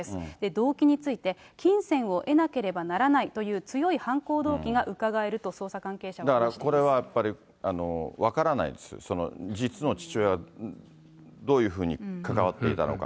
動機について、金銭を得なければならないという強い犯行動機がうかがえると、これはやっぱり分からないです、実の父親がどういうふうに関わっていたのか。